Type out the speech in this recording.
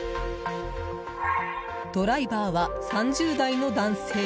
ドライバーは、３０代の男性。